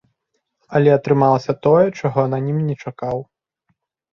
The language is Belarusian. Але атрымалася тое, чаго ананім не чакаў.